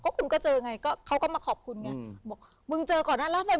คุณก็เจอไงก็เขาก็มาขอบคุณไงบอกมึงเจอก่อนได้แล้ว